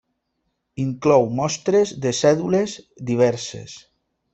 Inclou mostres de cèdules diverses.